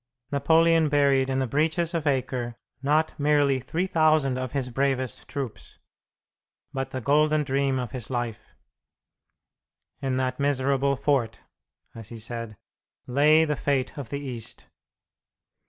Napoleon buried in the breaches of Acre not merely 3,000 of his bravest troops, but the golden dream of his life. "In that miserable fort," as he said, "lay the fate of the East."